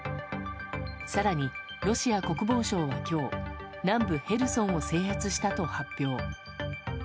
更に、ロシア国防省は今日南部ヘルソンを制圧したと発表。